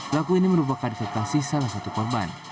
pelaku ini merupakan dekatasi salah satu korban